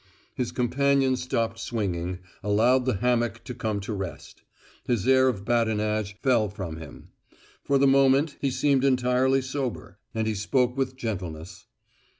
His companion stopped swinging, allowed the hammock to come to rest; his air of badinage fell from him; for the moment he seemed entirely sober; and he spoke with gentleness.